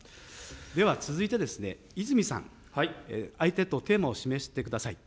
では続いてですね、泉さん、相手とテーマを指名してください。